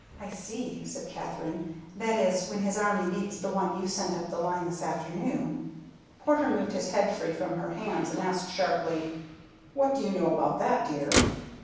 "I see," said Katherine. "That is, when his army meets the one you sent up the line this afternoon." Porter moved his head free from her hands and asked sharply, "What do you know about that, dear?"